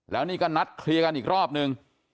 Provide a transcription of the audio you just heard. แล้วนี่ก็นัดเคลียร์กันอีกรอบนึง